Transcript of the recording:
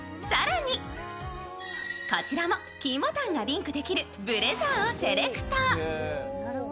更にこちらも金ボタンがリンクできるブレザーをセレクト。